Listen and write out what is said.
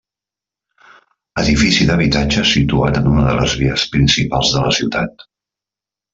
Edifici d'habitatges situat en una de les vies principals de la ciutat.